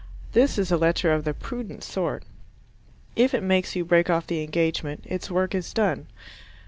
This is a letter of the prudent sort. If it makes you break off the engagement, its work is done.